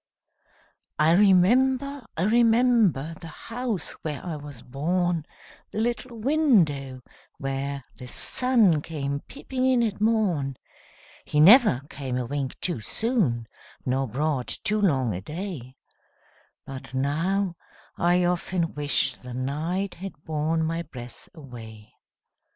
I remember, I remember, The house where I was born, The little window where the sun Came peeping in at morn; He never came a wink too soon, Nor brought too long a day, But now, I often wish the night Had borne my breath away!